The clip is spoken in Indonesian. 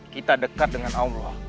kita dekat dengan allah